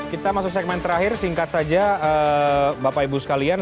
kita masuk segmen terakhir singkat saja bapak ibu sekalian